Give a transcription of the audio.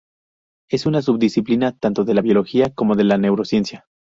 Es una subdisciplina tanto de la biología como de la neurociencia.